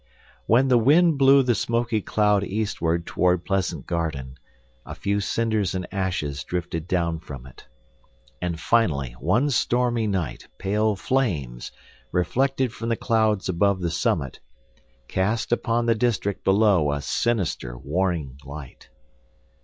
When the wind blew the smoky cloud eastward toward Pleasant Garden, a few cinders and ashes drifted down from it. And finally one stormy night pale flames, reflected from the clouds above the summit, cast upon the district below a sinister, warning light.